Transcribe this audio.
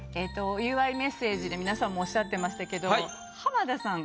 お祝いメッセージで皆さんもおっしゃってましたけど。